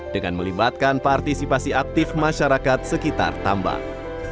dengan melibatkan partisipasi aktif masyarakat sekitar tambang